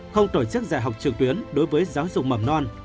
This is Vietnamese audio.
không tổ chức dạy học trực tuyến đối với giáo dục mầm non